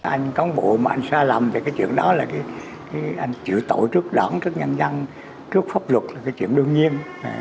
anh có một bộ mà anh xa lầm thì cái chuyện đó là anh chịu tội trước đoán trước nhân dân trước pháp luật là cái chuyện đương nhiên